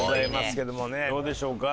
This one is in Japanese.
どうでしょうか？